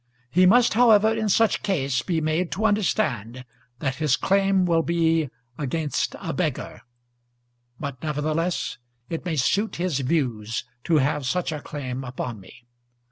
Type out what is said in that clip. He must, however, in such case be made to understand that his claim will be against a beggar; but, nevertheless, it may suit his views to have such a claim upon me.